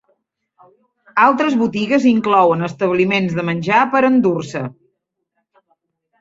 Altres botigues inclouen establiments de menjar per endur-se.